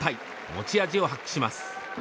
持ち味を発揮します。